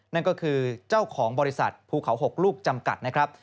นั่นก็คือเจ้าของบริษัทภูเขา๖ลูกจำกัดนะครับ